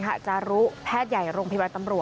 ผมยังอยากรู้ว่าว่ามันไล่ยิงคนทำไมวะ